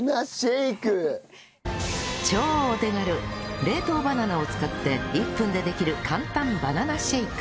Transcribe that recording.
超お手軽冷凍バナナを使って１分でできる簡単バナナシェイク